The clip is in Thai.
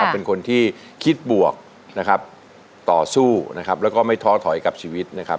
เป็นคนที่คิดบวกนะครับต่อสู้นะครับแล้วก็ไม่ท้อถอยกับชีวิตนะครับ